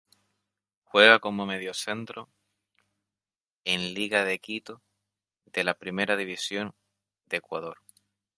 Juega como mediocentro en Liga de Quito de la Primera División de Ecuador.